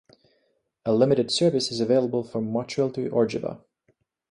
A limited service is available from Motril to Orgiva.